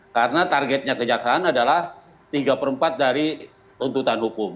karena targetnya kejaksaan adalah tiga per empat dari tuntutan hukum